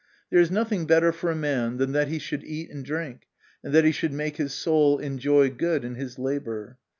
There is nothing better for a man than that he should eat and drink, and that he should make his soul enjoy good in his labour.